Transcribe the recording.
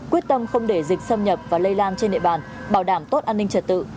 quyết tâm không để dịch xâm nhập và lây lan trên địa bàn bảo đảm tốt an ninh trật tự